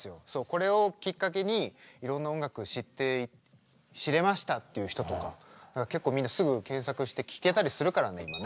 これをきっかけにいろんな音楽知れましたっていう人とか結構みんなすぐ検索して聴けたりするからね今ね。